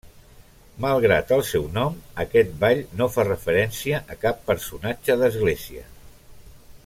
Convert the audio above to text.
Malgrat el seu nom, aquest ball no fa referència a cap personatge d'església.